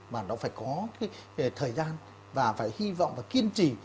mà nó phải có cái thời gian và phải hy vọng và kiên trì